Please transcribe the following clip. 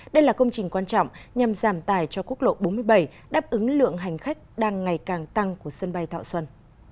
đây là công trình quan trọng nhằm giảm tài cho quốc lộ bốn mươi bảy đáp ứng lượng hành khách đang ngày càng tăng của sân bay thọ xuân